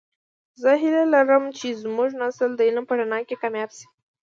زه هیله لرم چې زمونږنسل د علم په رڼا کې کامیابه شي